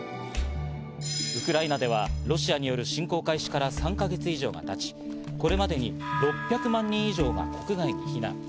ウクライナではロシアによる侵攻開始から３か月以上が経ち、これまでに６００万人以上が国外に避難。